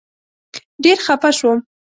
ډېر خپه شوم.